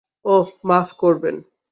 ওহ মাফ করবেন।